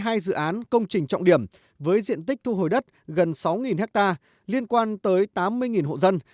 hai dự án công trình trọng điểm với diện tích thu hồi đất gần sáu ha liên quan tới tám mươi hộ dân